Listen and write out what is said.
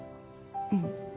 うん。